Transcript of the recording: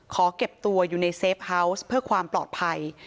ขอเก็บตัวอยู่ในเซฟเฮาวส์เพื่อความปลอดภัย